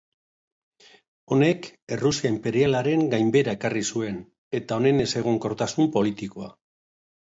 Honek, Errusia inperialaren gainbehera ekarri zuen, eta honen ezegonkortasun politikoa.